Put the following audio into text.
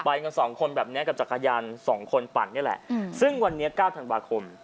กันสองคนแบบนี้กับจักรยานสองคนปั่นนี่แหละซึ่งวันนี้๙ธันวาคม